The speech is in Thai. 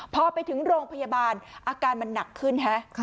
พอไปถึงโรงพยาบาลอาการมันหนักขึ้นฮะ